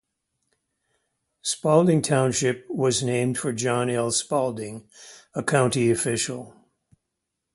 Spalding Township was named for John L. Spalding, a county official.